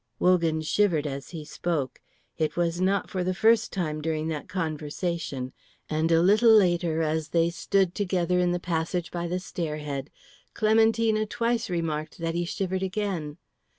Wogan shivered as he spoke. It was not for the first time during that conversation, and a little later, as they stood together in the passage by the stair head, Clementina twice remarked that he shivered again.